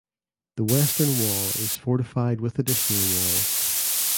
The western wall is fortified with additional walls.